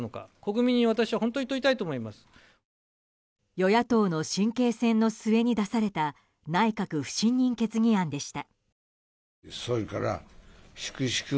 与野党の神経戦の末に出された内閣不信任決議案でした。